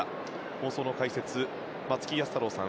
放送の解説、松木安太郎さん